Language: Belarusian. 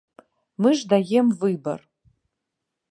Мы ж даем выбар.